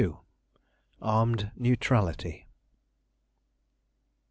ARMED NEUTRALITY.